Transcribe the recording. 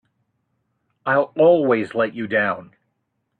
I'll always let you down!